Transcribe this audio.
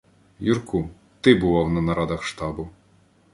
— Юрку, ти бував на нарадах штабу.